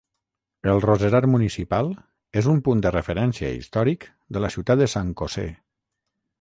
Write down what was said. El Roserar Municipal és un punt de referència històric de la ciutat de San José.